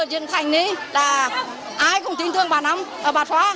trợ diễn thành này là ai cũng tin tưởng bà xoa